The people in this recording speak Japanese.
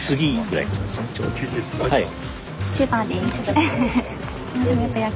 はい。